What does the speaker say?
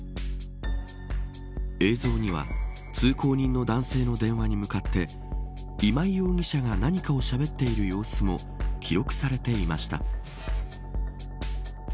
映像には通行人の男性の電話に向かって今井容疑者が何かをしゃべっている様子も記録されていました。